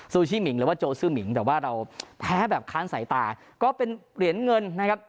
ชิมิงหรือว่าโจซื่อหมิงแต่ว่าเราแพ้แบบค้านสายตาก็เป็นเหรียญเงินนะครับ